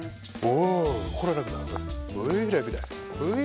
お。